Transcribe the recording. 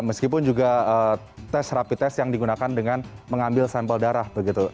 meskipun juga tes rapi tes yang digunakan dengan mengambil sampel darah begitu